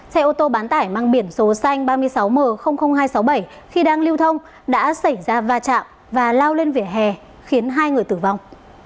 xe ô tô bán tải mang biển số xanh ba mươi sáu m hai trăm sáu mươi bảy khi đang lưu thông đã xảy ra va chạm và lao lên vỉa hè khiến hai người tử vong